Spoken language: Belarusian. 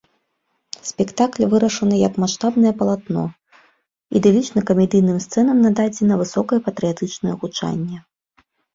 Спектакль вырашаны як маштабнае палатно, ідылічна-камедыйным сцэнам нададзена высокае патрыятычнае гучанне.